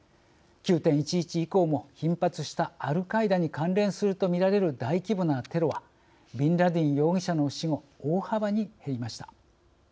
９．１１以降も頻発したアルカイダに関連すると見られる大規模なテロはビンラディン容疑者の死後大幅に減りました。